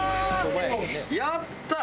やった！